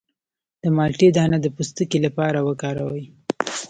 د مالټې دانه د پوستکي لپاره وکاروئ